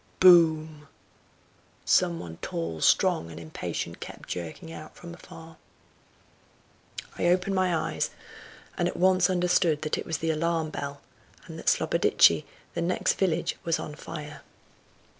boom!" Some one tall, strong and impatient kept jerking out from afar. I opened my eyes, and at once understood that it was the alarm bell, and that Slobodishtchy, the next village, was on fire.